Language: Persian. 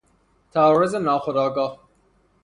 تعارض ناخودآگاه